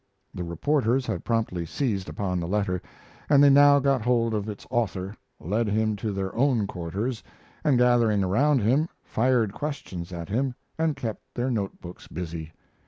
The reporters had promptly seized upon the letter, and they now got hold of its author, led him to their own quarters, and, gathering around him, fired questions at him, and kept their note books busy.